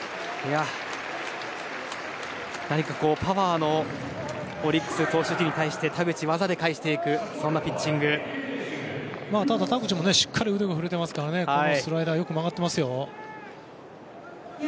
何かパワーのオリックス投手陣に対して田口、技で返していくただ田口もしっかり腕が振れていますからスライダーよく曲がっていますよ。